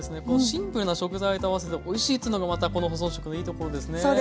このシンプルな食材と合わせておいしいというのがまたこの保存食のいいところですね。